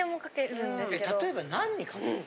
例えば何にかけるの？